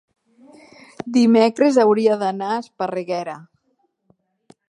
dimecres hauria d'anar a Esparreguera.